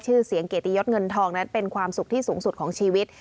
ชื่อเสียงเกียรติยศเงินทองนั้นเป็นความสุขที่สูงสุดของชีวิต